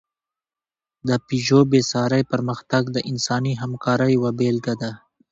د پيژو بېساری پرمختګ د انساني همکارۍ یوه بېلګه ده.